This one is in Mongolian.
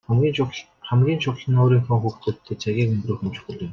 Хамгийн чухал нь өөрийнхөө хүүхдүүдтэйгээ цагийг өнгөрөөх нь чухал юм.